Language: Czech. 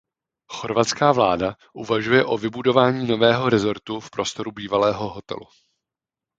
Chorvatská vláda uvažuje o vybudování nového resortu v prostoru bývalého hotelu.